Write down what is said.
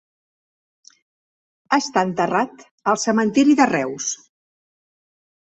Està enterrat al Cementiri de Reus.